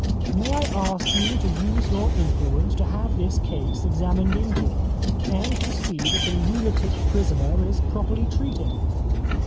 May I ask you to use your influence to have this case examined into, and to see that the lunatic prisoner is properly treated?